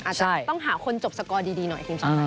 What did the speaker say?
อาจจะต้องหาคนจบสกอร์ดีหน่อยทีมชาติไทย